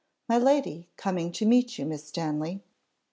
"My lady, coming to meet you, Miss Stanley."